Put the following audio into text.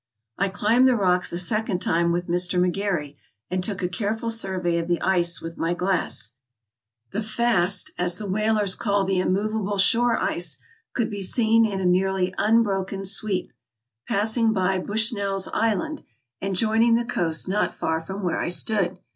I climbed the rocks a second time with Mr. McGary, and took a careful survey of the ice with my glass. The "fast," as the whalers call the immovable shore ice, could be seen in a nearly unbroken sweep, passing by Bushnell's THE FARTHEST POINT NORTH AMERICA 165 Island, and joining the coast not far from where I stood.